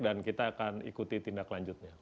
dan kita akan ikuti tindak lanjutnya